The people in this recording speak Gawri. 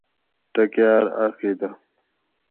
ٹکاۤر عاقدہ